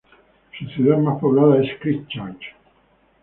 Su ciudad más poblada es Christchurch.